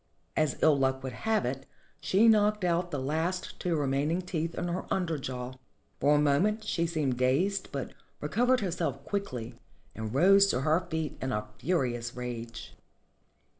As ill luck would have it she knocked out the last two remaining teeth in her imderjaw. For a moment she seemed dazed, but recovered herself quickly and rose to her feet in a 319 NORTHERN AFRICA furious rage.